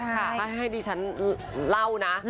ถ้าให้ดิฉันเล่านะ